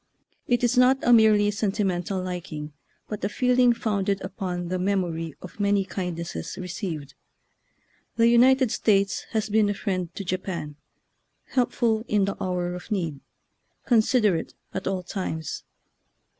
It is not a merely sentimental liking, but a feeling founded upon the memory of many kindnesses received. The United States has been a friend to Japan, helpful in the hour of need, considerate at all times.